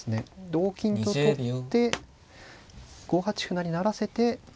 同金と取って５八歩成成らせて。